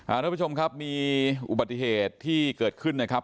ทุกผู้ชมครับมีอุบัติเหตุที่เกิดขึ้นนะครับ